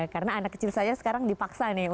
karena anak kecil saya sekarang dipaksa nih